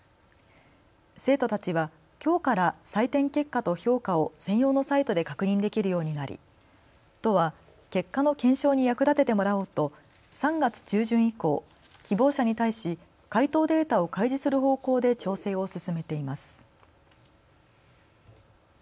生徒たちはきょうから採点結果と評価を専用のサイトで確認できるようになり都は結果の検証に役立ててもらおうと３月中旬以降、希望者に対し解答データを開示する方向で調整を進めています。